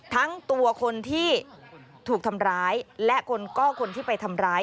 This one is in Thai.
ทั้งตัวคนที่ถูกทำร้ายและคนก็คนที่ไปทำร้าย